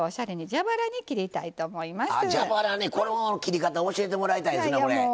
蛇腹ねこの切り方教えてもらいたいですな。